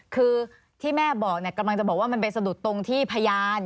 คือที่แม่บอกกำลังจะบอกว่ามันไปสะดุดตรงที่พยาน